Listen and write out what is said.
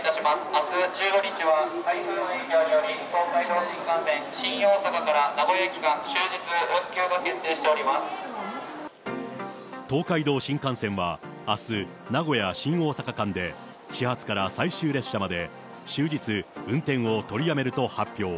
あす１５日は台風の影響により、東海道新幹線、新大阪から名古屋駅間、東海道新幹線はあす、名古屋・新大阪間で始発から最終列車まで終日運転を取りやめると発表。